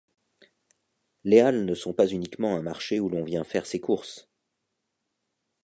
Les halles ne sont pas uniquement un marché où l'on vient faire ses courses.